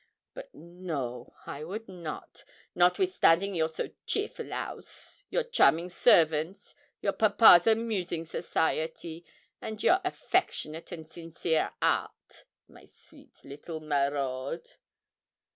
But no I would not notwithstanding your so cheerful house, your charming servants, your papa's amusing society, and your affectionate and sincere heart, my sweet little maraude.